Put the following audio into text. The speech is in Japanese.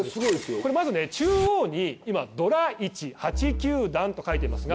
これまずね中央に今ドラ１８球団と書いていますが。